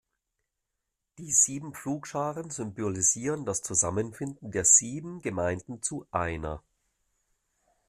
Die sieben Pflugscharen symbolisieren das Zusammenfinden der sieben Gemeinden zu einer.